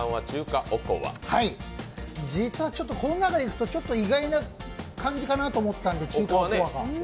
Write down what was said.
実はこの中でいくとちょっと意外な感じかなと思ったので中華おこわが。